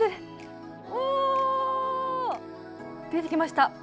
出てきました。